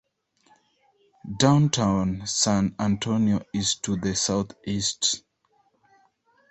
Downtown San Antonio is to the southeast.